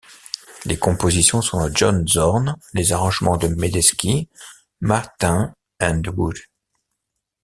Les compositions sont de John Zorn, les arrangements de Medeski, Martin and Wood.